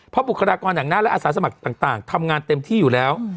เพราะบุคลากรหนังหน้าและอาสาสมัครต่างทำงานเต็มที่อยู่แล้ว